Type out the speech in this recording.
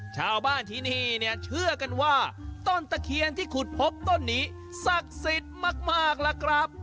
ชาวบ้านที่นี่เนี่ยเชื่อกันว่าต้นตะเคียนที่ขุดพบต้นนี้ศักดิ์สิทธิ์มากล่ะครับ